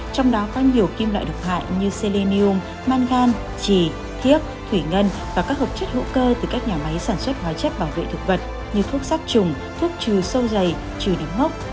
trong đó có nhiều kim loại độc hại như sellinium mangan trì thiếc thủy ngân và các hợp chất hữu cơ từ các nhà máy sản xuất hóa chất bảo vệ thực vật như thuốc sát trùng thuốc trừ sâu dày trừ nấm mốc